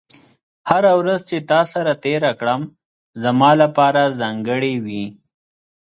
هره ورځ چې تا سره تېره کړم، زما لپاره ځانګړې وي.